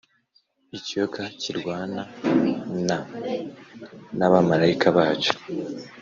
ikiyoka kirwanana n’abamarayika bacyo.